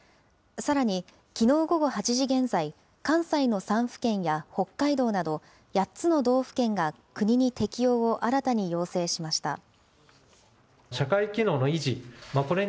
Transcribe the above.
さらに、きのう午後８時現在、関西の３府県や北海道など、８つの道府県が国に適用を新たに要請しました。